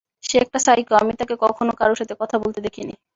সে একটা সাইকো, আমি তাকে কখনো কারো সাথে কথা বলতে দেখিনি।